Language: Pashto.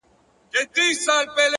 مثبت چلند د سختۍ تریخوالی کموي؛